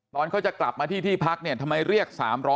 ตอนเขาจะกลับมาที่ที่พักเนี่ยทำไมเรียก๓๐๐